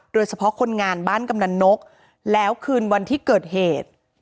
โดยเฉพาะคนงานบ้านกำนักแล้วคืนวันที่เกิดเหตุ